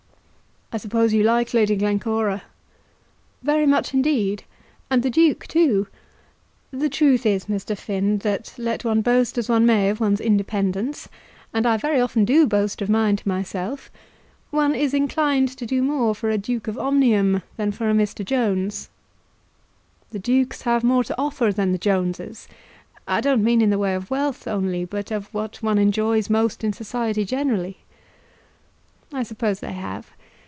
"I suppose you like Lady Glencora?" "Very much indeed, and the Duke, too. The truth is, Mr. Finn, that let one boast as one may of one's independence, and I very often do boast of mine to myself, one is inclined to do more for a Duke of Omnium than for a Mr. Jones." "The Dukes have more to offer than the Joneses; I don't mean in the way of wealth only, but of what one enjoys most in society generally." "I suppose they have.